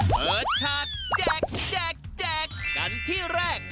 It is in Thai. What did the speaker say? เปิดฉากแจกแจกแจกกันที่แรก